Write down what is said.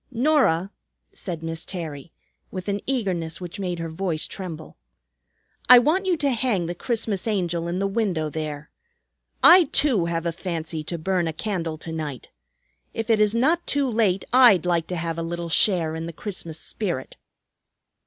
"Norah," said Miss Terry, with an eagerness which made her voice tremble, "I want you to hang the Christmas Angel in the window there. I too have a fancy to burn a candle to night. If it is not too late I'd like to have a little share in the Christmas spirit."